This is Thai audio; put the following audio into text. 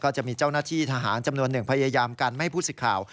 จะมีเจ้าหน้าที่ทหารจำนวนหนึ่งพยายามกันไม่ให้ผู้สิทธิ์ข่าว